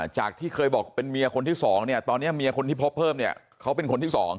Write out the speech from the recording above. จากที่เคยบอกเป็นเมียคนที่๒เนี่ยตอนนี้เมียคนที่พบเพิ่มเนี่ยเขาเป็นคนที่๒